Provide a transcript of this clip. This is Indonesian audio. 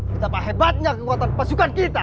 betapa hebatnya kekuatan pasukan kita